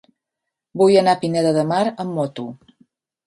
Vull anar a Pineda de Mar amb moto.